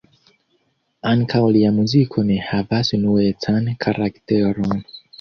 Ankaŭ lia muziko ne havas unuecan karakteron.